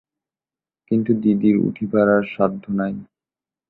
কিন্তু দিদির উঠিবার আর সাধ্য নাই।